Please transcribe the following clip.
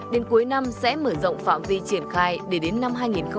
đến cuối năm sẽ mở rộng phạm vi triển khai để đến năm hai nghìn hai mươi